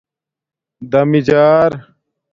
دمیجݴر